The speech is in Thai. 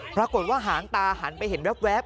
ปรากฏว่าหางตาหันไปเห็นแว๊บ